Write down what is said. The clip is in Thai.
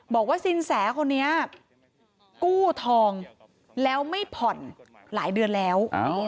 บอกว่าสินแสคนนี้กู้ทองแล้วไม่ผ่อนหลายเดือนแล้ว